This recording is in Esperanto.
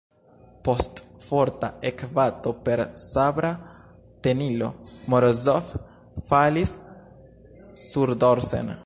Post forta ekbato per sabra tenilo Morozov falis surdorsen.